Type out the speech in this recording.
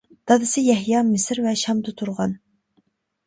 دادىسى يەھيا مىسىر ۋە شامدا تۇرغان.